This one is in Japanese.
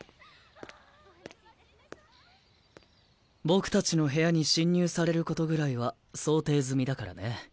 僕たちの部屋に侵入されることぐらいは想定済みだからね。